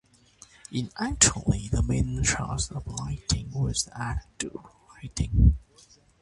In actuality, the main source of lighting was arc lighting.